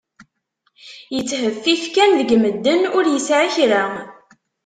Yettheffif kan deg medden, ur yesɛi kra.